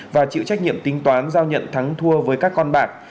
và chịu trách nhiệm tính toán giao nhận thắng thua với các con bạc